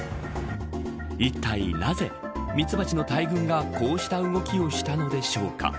いったいなぜミツバチの大群がこうした動きをしたのでしょうか。